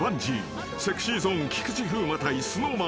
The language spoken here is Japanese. ［ＳｅｘｙＺｏｎｅ菊池風磨対ＳｎｏｗＭａｎ